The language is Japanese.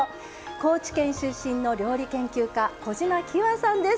高知県出身の料理研究家・小島喜和さんです。